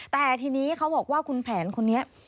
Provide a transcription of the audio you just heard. แต่ทีนี้เขาบอกว่าคุณแผนคนนี้